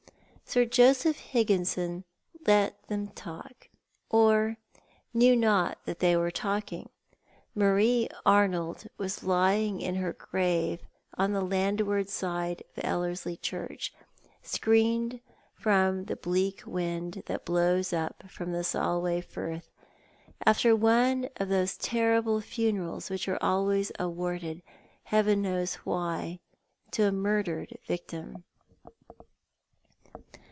Sir Joseph Higginson let them talk, or knew not that they were talking. Marie Arnold was lying in her grave on the landward side of Ellerslie Church, screened from the bleak wind that blows up from Solway Firth, after one of those terrible funerals which are always awarded, Heaven knows why, to a murdered victim.